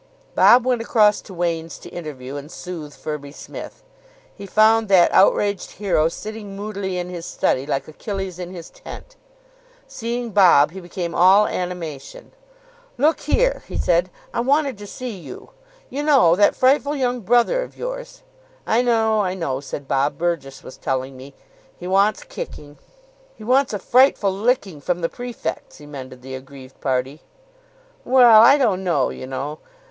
Bob went across to Wain's to interview and soothe Firby Smith. He found that outraged hero sitting moodily in his study like Achilles in his tent. Seeing Bob, he became all animation. "Look here," he said, "I wanted to see you. You know, that frightful young brother of yours " "I know, I know," said Bob. "Burgess was telling me. He wants kicking." "He wants a frightful licking from the prefects," emended the aggrieved party. "Well, I don't know, you know.